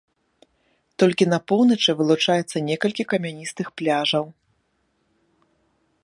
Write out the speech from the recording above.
Толькі на поўначы вылучаецца некалькі камяністых пляжаў.